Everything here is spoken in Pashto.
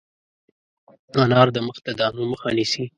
انار د مخ د دانو مخه نیسي.